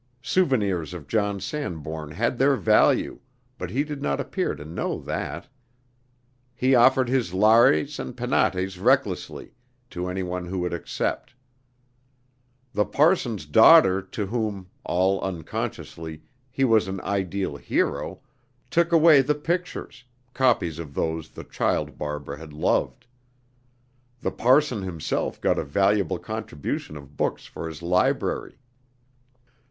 Souvenirs of John Sanbourne had their value, but he did not appear to know that. He offered his Lares and Penates recklessly, to any one who would accept. The parson's daughter, to whom all unconsciously he was an ideal hero, took away the pictures, copies of those the child Barbara had loved. The parson himself got a valuable contribution of books for his library.